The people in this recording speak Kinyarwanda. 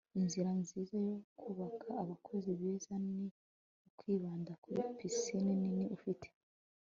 inzira nziza yo kubaka abakozi beza ni ukwibanda kuri pisine nini ufite